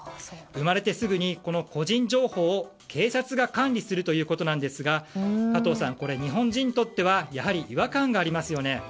生まれてすぐに個人情報を警察が管理するということですが加藤さん、日本人にとってはやはり違和感がありますよね。